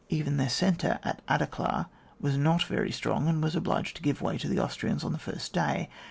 Even their centre at Aderklaa was not very strong, and was obliged to give way to the Austrians on the first day.